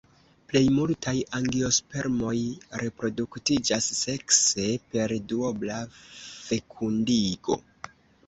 Plej multaj angiospermoj reproduktiĝas sekse per duobla fekundigo.